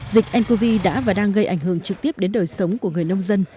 dịch ncov đã và đang gây ảnh hưởng trực tiếp đến đời sống của người nông dân